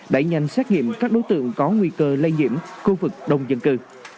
đẩy nhanh xét nghiệm các đối tượng có nguy cơ lây nhiễm khu vực đông dân cư